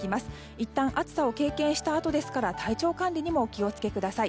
いったん暑さを経験したあとですから体調管理にもお気を付けください。